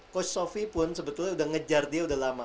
coach sofie pun sebetulnya udah ngejar dia udah lama